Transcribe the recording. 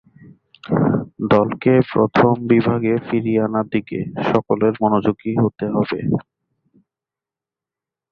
দলকে প্রথম বিভাগে ফিরিয়ে আনার দিকে সকলের মনোযোগী হতে হবে।